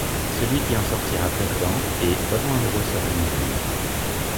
Celui qui en sortira perdant et follement amoureux sera lui-même.